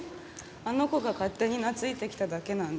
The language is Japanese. あの子が勝手に懐いてきただけなんで。